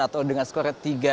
atau dengan skor tiga